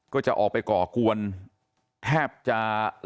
ก็จะออกไปก่อกวนแทบจะหลายหมู่บ้าน